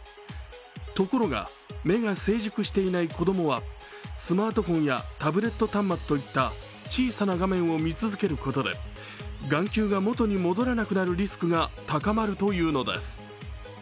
ところが目が成熟していない子供はスマートフォンやタブレット端末といった小さな画面を見続けることで眼球が元に戻らなくなるリスクが高まるというのです。